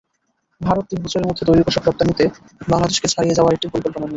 ভারত তিন বছরের মধ্যে তৈরি পোশাক রপ্তানিতে বাংলাদেশকে ছাড়িয়ে যাওয়ার একটি পরিকল্পনা নিয়েছে।